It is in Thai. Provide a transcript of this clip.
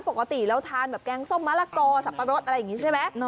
ปกติเราทานแบบแกงส้มมะละกอสับปะรดอะไรอย่างนี้ใช่ไหม